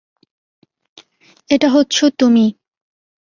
এটা হচ্ছো তুমি।